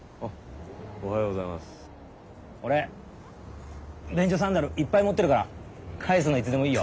俺便所サンダルいっぱい持ってるから返すのいつでもいいよ。